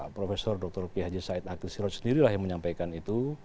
prof dr kihaji said akhilsiroj sendirilah yang menyampaikan itu